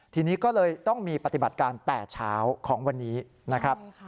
ทีนี้ก็เลยต้องมีปฏิบัติการแต่เช้าของวันนี้นะครับ